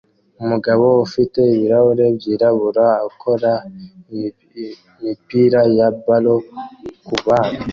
Umugabo ufite ibirahuri byirabura akora imipira ya ballon kubana